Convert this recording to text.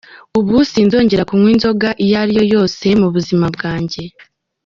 Ubu sinzongera kunywa inzoga iyo ariyo yose mu buzima bwanjye.